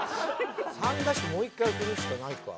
「３」出してもう１回振るしかないか。